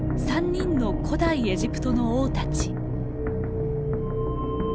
３人の古代エジプトの王たち。